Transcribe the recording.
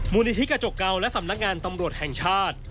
นิธิกระจกเกาและสำนักงานตำรวจแห่งชาติ